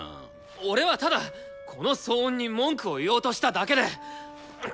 俺はただこの騒音に文句を言おうとしただけで！